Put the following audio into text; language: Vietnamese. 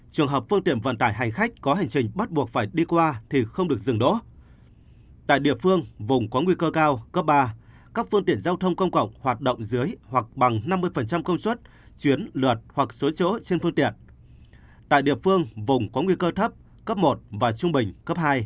trường hợp phương tiện vận tải hành khách có hành trình bắt buộc phải đi qua thì không được dừng đó